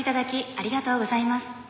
ありがとうございます。